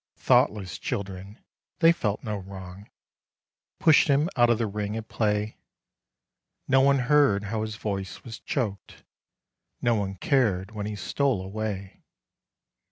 Thoughtless children, they felt no wrong, Pushed him out of the ring at play. No one heard how his voice was choked, No one cared when he stole away.